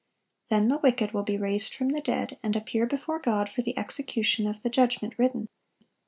Then the wicked will be raised from the dead, and appear before God for the execution of "the judgment written."